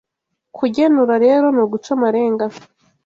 Kugenura rero ni uguca amarenga